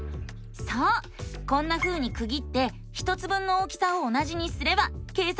こんなふうにくぎって１つ分の大きさを同じにすれば計算できるんだよね！